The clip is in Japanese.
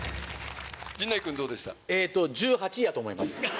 陣内君どうでした？